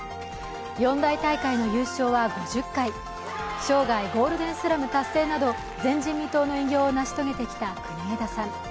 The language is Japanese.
四大大会の優勝は５０回、生涯ゴールデンスラム達成など前人未到の偉業を成し遂げてきた国枝さん。